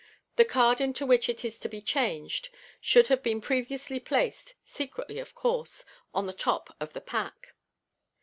The card into which it is to be changed should have been previously placed (secretly, of course) on the top of the pack.